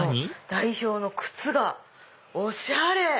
代表の靴がおしゃれ！